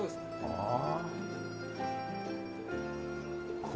ああ！